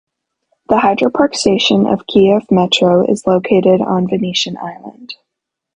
The Hydropark station of Kiev Metro is located on Venetian island.